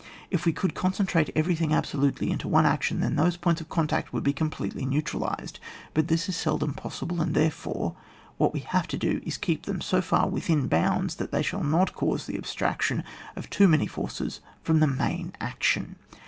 If we could concentrate every thing absolutely into one action, then those points of contact would be completely neutralised ; but this is seldom possible, and, therefore, what we have to do is to keep them so far within bounds, that they shall not cause the abstraction of too many forces &om the main action.